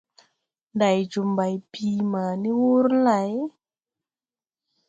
Ndày jo mbày bii ma ni wur lay ?